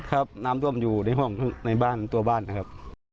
ครับน้ำท่วมอยู่ในห้องในบ้านตัวบ้านนะครับ